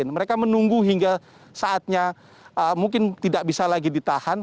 mereka menunggu hingga saatnya mungkin tidak bisa lagi ditahan